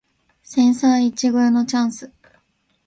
千載一遇のチャンス